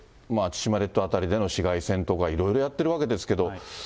千島列島辺りでの市街戦とかいろいろやってるわけですけど。